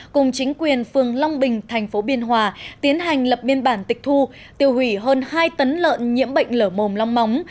cùng chính quyền phường long bình thành phố biên hòa tiến hành lập biên bản tịch thu tiêu hủy hơn hai tấn lợn nhiễm bệnh lở mồm long móng